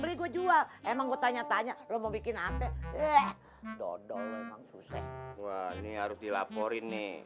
beli gue jual emang gue tanya tanya lo mau bikin apa ya dodol emang pusek ini harus dilaporin nih